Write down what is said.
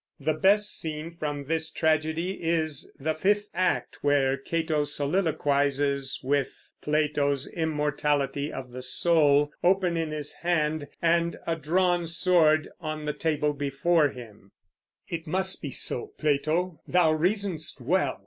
The best scene from this tragedy is in the fifth act, where Cato soliloquizes, with Plato's Immortality of the Soul open in his hand, and a drawn sword on the table before him: It must be so Plato, thou reason'st well!